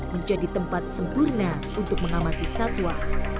menjadi tempat sempurna untuk mengamati satwa